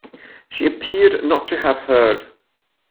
She appeared not to have heard.